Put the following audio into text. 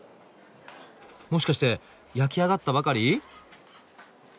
もしかして焼き上がったばかり？